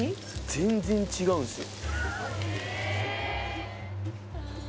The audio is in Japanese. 全然違うんですよ